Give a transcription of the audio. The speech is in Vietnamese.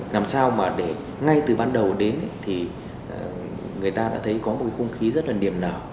làm sao mà để ngay từ ban đầu đến thì người ta đã thấy có một cái không khí rất là niềm nở